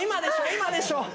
今でしょ